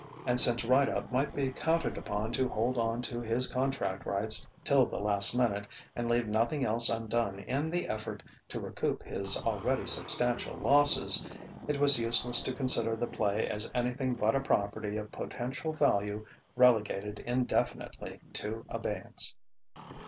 And since Rideout might be counted upon to hold on to his contract rights till the last minute and leave nothing else undone in the effort to recoup his already substantial losses, it was useless to consider the play as anything but a property of potential value relegated indefinitely to abeyance.